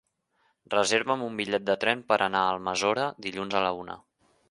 Reserva'm un bitllet de tren per anar a Almassora dilluns a la una.